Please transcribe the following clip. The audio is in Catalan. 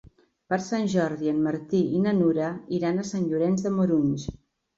Per Sant Jordi en Martí i na Nura iran a Sant Llorenç de Morunys.